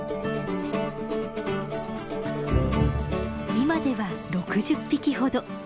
今では６０匹ほど。